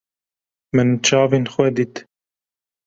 Min çavên xwe dît.